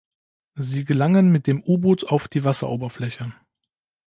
Sie gelangen mit dem U-Boot auf die Wasseroberfläche.